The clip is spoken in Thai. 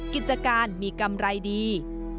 กิจการมีกำไรดี